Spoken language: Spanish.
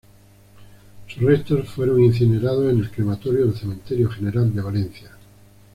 Sus restos fueron incinerados en el Crematorio del Cementerio General de Valencia.